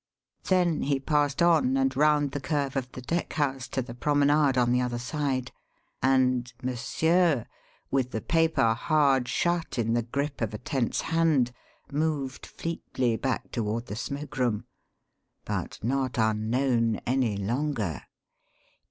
Then he passed on and round the curve of the deckhouse to the promenade on the other side; and "Monsieur," with the paper hard shut in the grip of a tense hand, moved fleetly back toward the smoke room. But not unknown any longer.